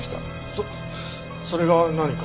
そそれが何か？